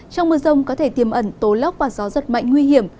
trong mưa rông có thể tiềm ẩn tố lốc và gió rất mạnh nguy hiểm